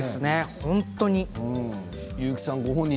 本当に。